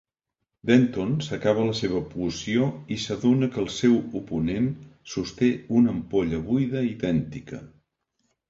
Denton s'acaba la seva poció i s'adona que el seu oponent sosté una ampolla buida idèntica.